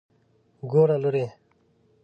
ګوره لورې.